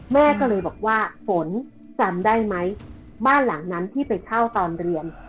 แม่ก็เลยบอกว่าฝนจำได้ไหมบ้านหลังนั้นที่ไปเช่าตอนเรียน